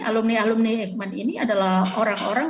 alumni alumni hikman ini adalah orang orang